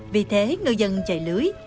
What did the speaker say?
vì thế người dân chạy lưới